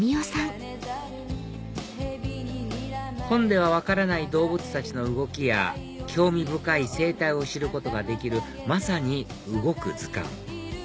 本では分からない動物たちの動きや興味深い生態を知ることができるまさに動く図鑑